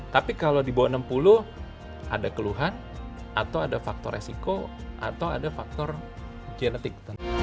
tapi kalau di bawah enam puluh ada keluhan atau ada faktor resiko atau ada faktor genetik